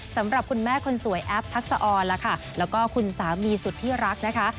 สำหรับคุณแม่คนสวยแอปทักษะออนล่ะค่ะแล้วก็คุณสามีสุดที่รักนะคะ